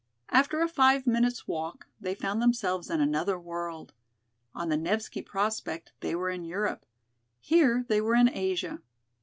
After a five minutes walk they found themselves in another world. On the Nevski Prospect they were in Europe; here they were in Asia.